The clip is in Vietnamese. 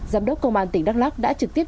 giám đốc công an tỉnh đắk lắc đã trực tiếp